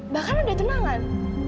bahkan udah tunangan